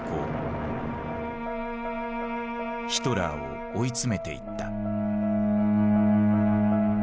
ヒトラーを追い詰めていった。